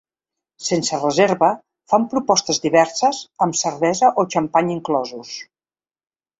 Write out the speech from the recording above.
Sense reserva, fan propostes diverses, amb cervesa o xampany inclosos.